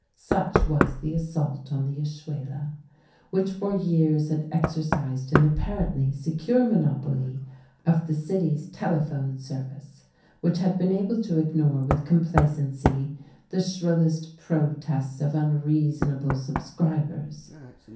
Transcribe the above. Such was the assault on the Ashuela, which for years had exercised an apparently secure monopoly of the city's telephone service, which had been able to ignore with complacency the shrillest protests of unreasonable subscribers.